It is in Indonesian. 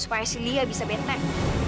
supaya si liya bisa betek